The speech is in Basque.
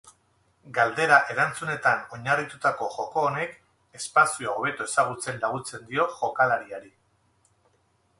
Galdera-erantzunetan oinarritutako joko honek espazioa hobeto ezagutzen laguntzen dio jokalariari.